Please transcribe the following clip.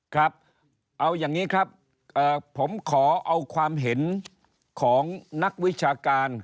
ครับเอาอย่างนี้ครับผมขอเอาความเห็นของนักวิชาการ